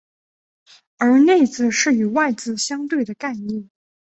而内字是与外字相对的概念。